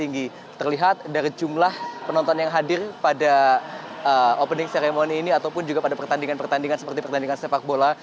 sangat sangat tinggi terlihat dari jumlah penonton yang hadir pada opening ceremony ini atau pun pada pertandingan pertandingan seperti pertandingan sepak bola